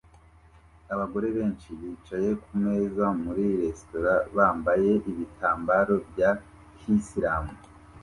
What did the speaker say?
Abagore benshi bicaye kumeza muri resitora bambaye ibitambaro bya kisilamu